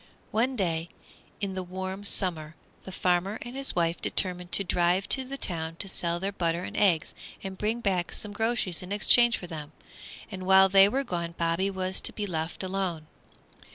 One day in the warm summer the farmer and his wife determined to drive to the town to sell their butter and eggs and bring back some groceries in exchange for them, and while they were gone Bobby was to be left alone.